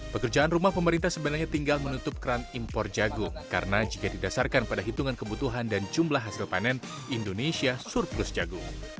pekerjaan rumah pemerintah sebenarnya tinggal menutup keran impor jagung karena jika didasarkan pada hitungan kebutuhan dan jumlah hasil panen indonesia surplus jagung